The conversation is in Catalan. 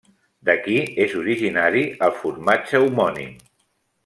D'aquí és originari el formatge homònim.